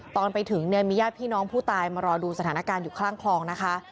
ตอนไปถึงเนี่ยมีญาติพี่น้องผู้ตายมารอดูสถานการณ์อยู่ข้างคลองนะคะ